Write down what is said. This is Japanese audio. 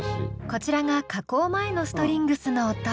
こちらが加工前のストリングスの音。